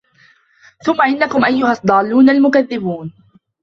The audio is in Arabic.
ثُمَّ إِنَّكُم أَيُّهَا الضّالّونَ المُكَذِّبونَ